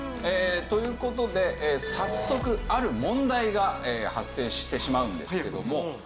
という事で早速ある問題が発生してしまうんですけども。